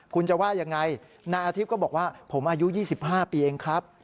คุณจะว่ายังไงนายอาทิตย์ก็บอกว่าผมอายุ๒๕ปีเองครับ